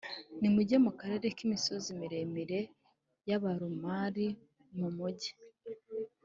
Nimujye mu karere k imisozi miremire y Abamori m mujye